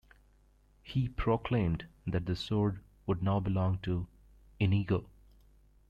He proclaimed that the sword would now belong to Inigo.